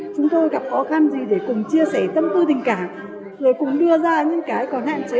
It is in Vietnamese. chúng tôi gặp khó khăn gì để cùng chia sẻ tâm tư tình cảm rồi cùng đưa ra những cái còn hạn chế